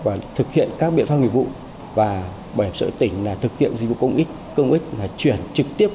và thực hiện các biện pháp nghiệp vụ và bảo hiểm xã hội tỉnh thực hiện dịch vụ công ích công ích là chuyển trực tiếp